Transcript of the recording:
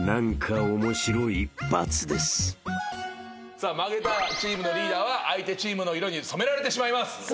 さあ負けたチームのリーダーは相手チームの色に染められてしまいます。